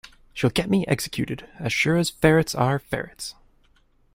She’ll get me executed, as sure as ferrets are ferrets!